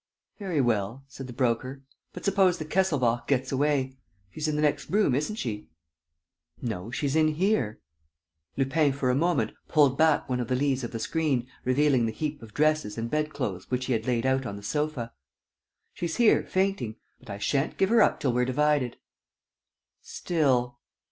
"Very well," said the Broker. "But suppose the Kesselbach gets away? She's in the next room, isn't she?" "No, she's in here." Lupin for a moment pulled back one of the leaves of the screen, revealing the heap of dresses and bed clothes which he had laid out on the sofa: "She's here, fainting. But I shan't give her up till we've divided." "Still